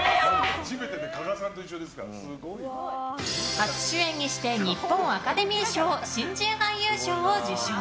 初主演にして日本アカデミー賞新人俳優賞を受賞。